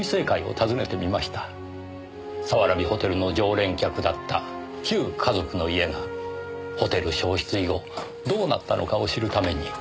早蕨ホテルの常連客だった旧華族の家がホテル焼失以後どうなったのかを知るために。